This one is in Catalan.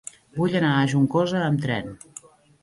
Vull anar a Juncosa amb tren.